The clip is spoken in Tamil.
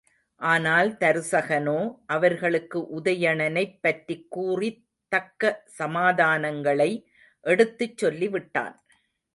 ஆனால் தருசகனோ, அவர்களுக்கு உதயணனைப் பற்றிக் கூறித் தக்க சமாதானங்களை எடுத்துச் சொல்லிவிட்டான்.